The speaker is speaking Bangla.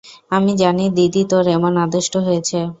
আমি জানি দিদি তোর এমন আদেষ্ট হয়েছে।